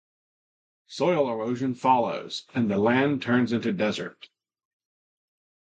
Soil erosion follows, and the land turns into desert.